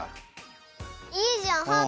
いいじゃんハート。